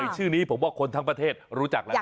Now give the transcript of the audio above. ชื่อนี้ผมว่าคนทั้งประเทศรู้จักแล้วนะ